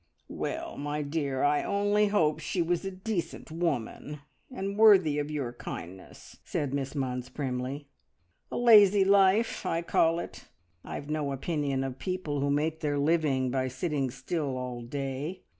"Well, my dear, I only hope she was a decent woman, and worthy of your kindness," said Miss Munns primly. "A lazy life, I call it. I've no opinion of people who make their living by sitting still all day.